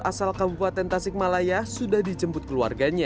asal kabupaten tasik malaya sudah dijemput keluarganya